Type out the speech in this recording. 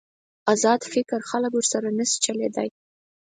ازاد فکر خلک ورسره نشي چلېدای.